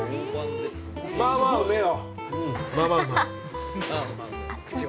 ◆まあまあうめよ。